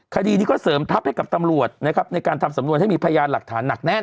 คดีนี้ก็เสริมทัพให้กับตำรวจนะครับในการทำสำนวนให้มีพยานหลักฐานหนักแน่น